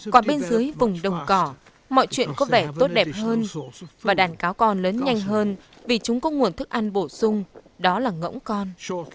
còn bên dưới vùng đồng cỏ mọi chuyện có vẻ tốt đẹp hơn và đàn cá con lớn nhanh hơn vì chúng có nguồn thức ăn bổ sung đó là ngỗng con